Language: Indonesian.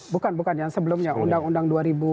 bukan bukan yang sebelumnya undang undang dua ribu dua